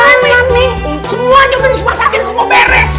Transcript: semua yang udah dimasakin semua beres